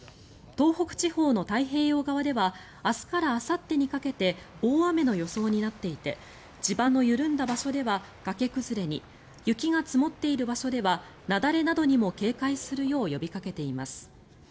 東北地方の太平洋側では明日からあさってにかけて大雨の予想になっていて地盤の緩んだ場所では崖崩れに雪が積もっている場所では雪崩などにも警戒するよう呼びかけています。